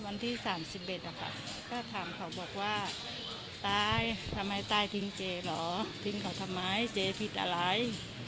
วันที่๓๑นะคะก็ถามเขาบอกว่าตายทำไมตายทิ้งเจ๊เหรอทิ้งเขาทำไมเจ๊ผิดอะไร